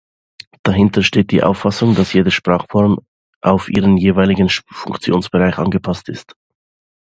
Dahinter steht die Auffassung, dass jede Sprachform auf ihren jeweiligen Funktionsbereich angepasst ist.